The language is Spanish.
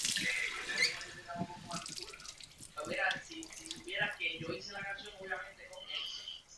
Presenta tanto runas de rama larga y runas sin poste.